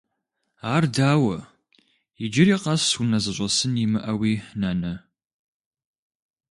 Ар дауэ, иджыри къэс унэ зыщӏэсын имыӏэуи, нанэ?